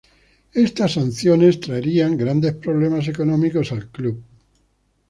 Estas sanciones traerían grandes problemas económicos al club.